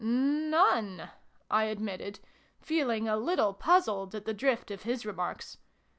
" None," I admitted, feeling a little puzzled at the drift of his remarks.